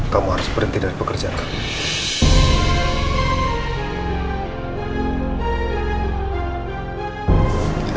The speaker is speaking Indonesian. kamu harus berhenti dari pekerjaan kamu